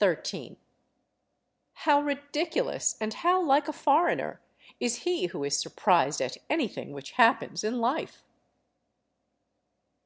13. How ridiculous, and how like a foreigner, is he who is surprised at anything which happens in life!